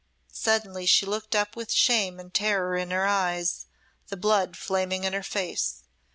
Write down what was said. Suddenly she looked up with shame and terror in her eyes, the blood flaming in her face.